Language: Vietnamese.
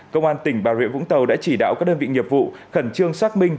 công an tỉnh bà rịa vũng tàu đã chỉ đạo các đơn vị nghiệp vụ khẩn trương xác minh